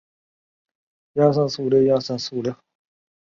熙宁三年复置。